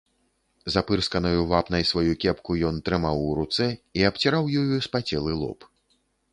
Запырсканую вапнай сваю кепку ён трымаў у руцэ і абціраў ёю спацелы лоб.